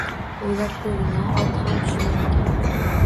O`ylab ko`rgin-a, ot ham tushunar ekan